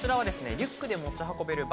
リュックで持ち運べるバイク